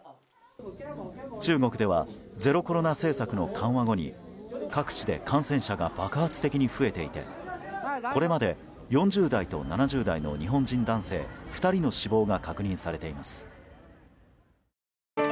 中国ではゼロコロナ政策の緩和後に各地で感染者が爆発的に増えていてこれまで、４０代と７０代の日本人男性２人の死亡が確認されています。